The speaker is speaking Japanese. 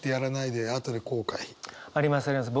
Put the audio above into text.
ありますあります。